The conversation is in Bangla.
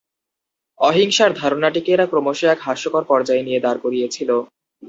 অহিংসার ধারণাটিকে এরা ক্রমশ এক হাস্যকর পর্যায়ে নিয়ে দাঁড় করিয়েছিল।